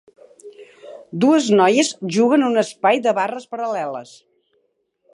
Dues noies juguen en un espai de barres paral·leles